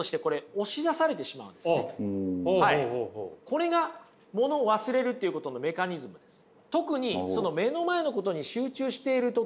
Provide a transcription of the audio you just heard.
これがものを忘れるっていうことのメカニズムです。